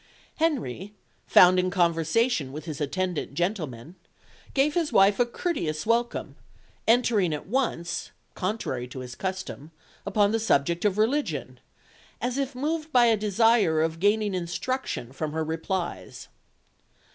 Henry, found in conversation with his attendant gentlemen, gave his wife a courteous welcome, entering at once contrary to his custom upon the subject of religion, as if moved by a desire of gaining instruction from her replies.